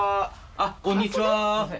あこんにちは。